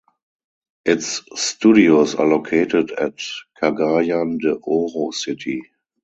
Its studios are located at Cagayan de Oro City.